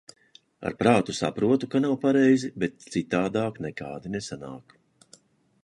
Ar prātu saprotu, ka nav pareizi, bet citādāk nekādi nesanāk.